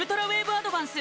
アドバンス